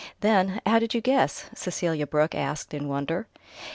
Then "How did you guess?" Cecelia Brooke asked in wonder.